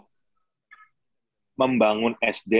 membangun sdm di lingkungannya sendiri